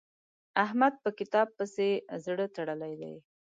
احمد په کتاب پسې زړه تړلی دی.